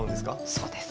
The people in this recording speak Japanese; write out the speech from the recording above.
そうです。